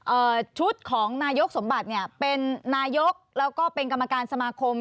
ชุดของนายกสมบัติเนี่ยเป็นนายกแล้วก็เป็นกรรมการสมาคม